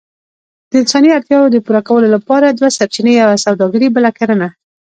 د انساني اړتياوو د پوره کولو لپاره دوه سرچينې، يوه سووداګري بله کرنه.